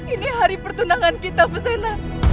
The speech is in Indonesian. ini hari pertunangan kita fusena